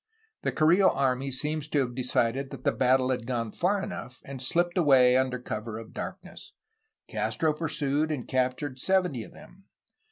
The Carrillo army seems to have decided that the battle had gone far enough, and shpped away under cover of darkness. Castro pursued, and captured seventy of them.